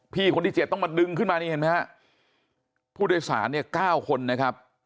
พี่คนที่เจ็ดต้องมาดึงขึ้นมานี่เห็นไหมฮะผู้โดยสารเนี่ย๙คนนะครับ